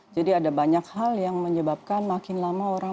jadi ada banyak hal yang menyebabkan makin lama orang